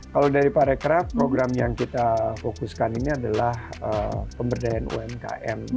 kalau dari parekraf program yang kita fokuskan ini adalah pemberdayaan umkm